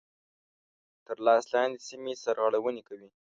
تر لاس لاندي سیمي سرغړوني کوي.